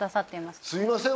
すいません